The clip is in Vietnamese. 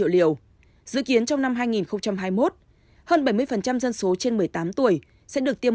dự kiến trong năm hai nghìn hai mươi một hơn bảy mươi dân số trên một mươi tám tuổi sẽ được tiêm